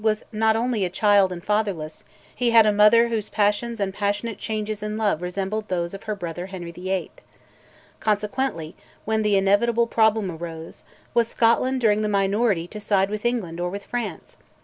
was not only a child and fatherless; he had a mother whose passions and passionate changes in love resembled those of her brother Henry VIII. Consequently, when the inevitable problem arose, was Scotland during the minority to side with England or with France?